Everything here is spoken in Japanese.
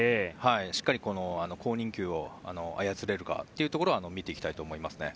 しっかり公認球を操れるかというところを見ていきたいと思いますね。